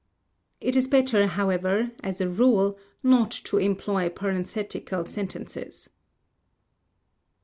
It is better, however, as a rule, not to employ parenthetical sentences.